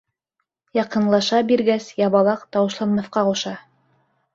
Яҡынлаша биргәс, ябалаҡ тауышланмаҫҡа ҡуша.